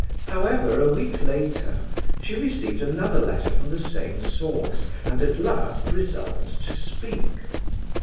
However, a week later she received another letter from the same source, and at last resolved to speak.